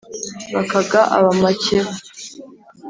bakaga ab’amakeba,